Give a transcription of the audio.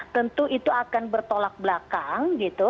tentu itu akan bertolak belakang gitu